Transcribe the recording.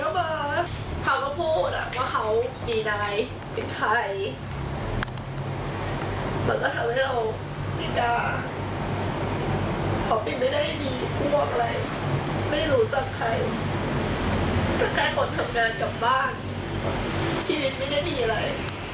แค่คนทำงานกลับบ้านชีวิตไม่ได้มีอะไร